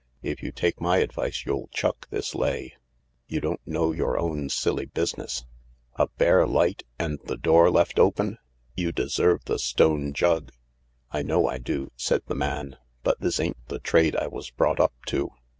" If you take my advice you'll chuck this lay. You don't know your own silly business. A bare light I And the door left open 1 You deserve the stone jug." " I know I do," said the man, " but this ain't the trade I was brought up to."